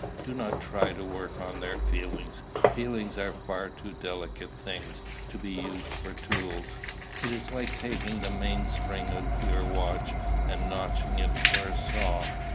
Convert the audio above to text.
Do not try to work on their feelings. Feelings are far too delicate things to be used for tools. It is like taking the mainspring out of your watch, and notching it for a saw.